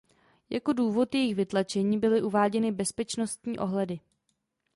Jako důvod jejich vytlačení byly uváděny bezpečnostní ohledy.